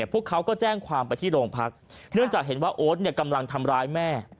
พวกเขาก็แจ้งความไปที่โรงพักเนื่องจากเห็นว่าโอ๊ตกำลังทำร้ายแม่